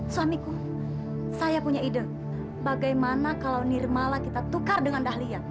suamiku saya punya ide bagaimana kalau nirmala kita tukar dengan dahlian